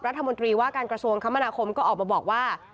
รัฐมนตรีว่าการกระทรวงคมนาคมก็ออกมาบอกว่า